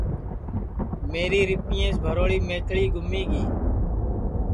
میری ریپئیس بھروڑی میکھݪی گُمی گی